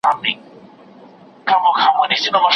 اوس به څوک د مظلومانو چیغي واوري